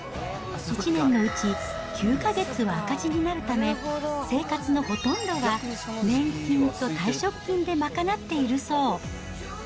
１年のうち９か月は赤字になるため、生活のほとんどは年金と退職金で賄っているそう。